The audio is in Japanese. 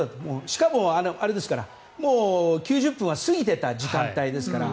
しかも、あれですからもう９０分は過ぎていた時間帯ですから。